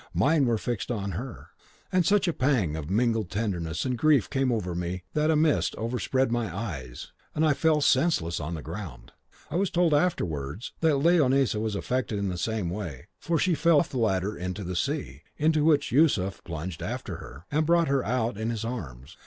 Mine were fixed on her, and such a pang of mingled tenderness and grief came over me that a mist overspread my eyes, and I fell senseless on the ground. I was told afterwards that Leonisa was affected in the same way, for she fell off the ladder into the sea, into which Yusuf plunged after her and brought her out in his arms.